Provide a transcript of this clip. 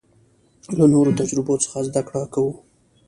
له نورو تجربو څخه زده کړه کوو.